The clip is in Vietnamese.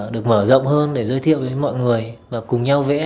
được mở rộng hơn để giới thiệu với mọi người và cùng nhau vẽ